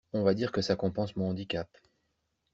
On va dire que ça compense mon handicap.